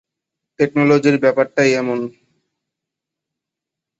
টেকনোলজির ব্যাপারটাই এমন।